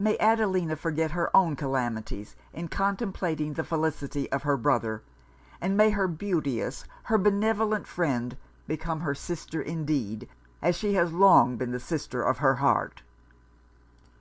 May Adelina forget her own calamities in contemplating the felicity of her brother; and may her beauteous, her benevolent friend, become her sister indeed, as she has long been the sister of her heart.'